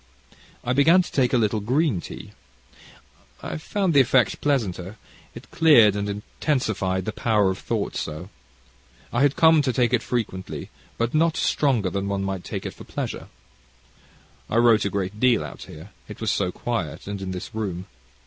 I began to take a little green tea. I found the effect pleasanter, it cleared and intensified the power of thought so, I had come to take it frequently, but not stronger than one might take it for pleasure. I wrote a great deal out here, it was so quiet, and in this room.